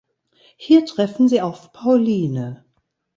Hier treffen sie auf Pauline.